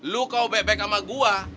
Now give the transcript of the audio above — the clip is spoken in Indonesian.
lu kau baik baik sama gua